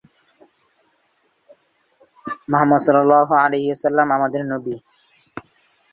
একাজে তাকে সাহায্য করে তার বন্ধু গেইল।